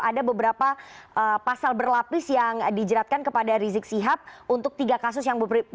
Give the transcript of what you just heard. ada beberapa pasal berlapis yang dijeratkan kepada rizik sihab untuk tiga kasus yang